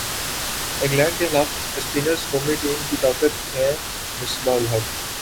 England کیخلاف spinners قومی team کی طاقت ہیں مصباح الحق